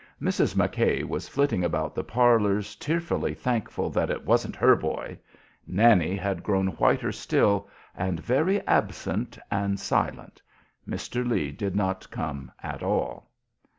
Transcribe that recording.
Mrs. McKay was flitting about the parlors tearfully thankful that "it wasn't her boy." Nannie had grown whiter still, and very "absent" and silent. Mr. Lee did not come at all.